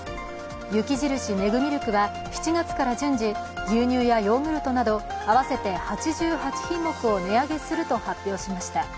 雪印メグミルクは７月から順次、牛乳やヨーグルトなど合わせて８８品目を値上げすると発表しました。